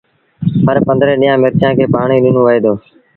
هر پنڌرين ڏيݩهآ ن مرچآݩ کي پآڻي ڏنو وهي دو